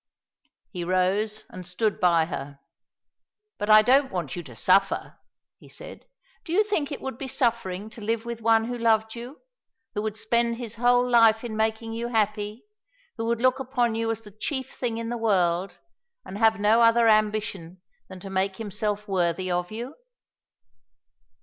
He rose and stood by her. "But I don't want you to suffer," he said. "Do you think it would be suffering to live with one who loved you, who would spend his whole life in making you happy, who would look upon you as the chief thing in the world, and have no other ambition than to make himself worthy of you?"